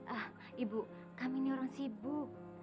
ah ibu kami ini orang sibuk